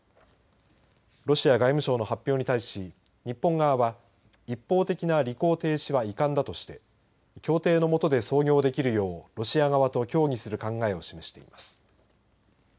ロシア外務省の発表に対し日本側は一方的な履行停止は遺憾だとして協定のもとで操業できるようロシア側と協議する考えを示しています。